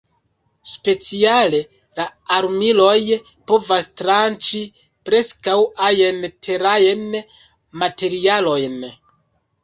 Speciale la armiloj povas tranĉi preskaŭ ajn terajn materialojn.